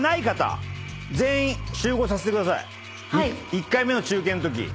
１回目の中継のとき。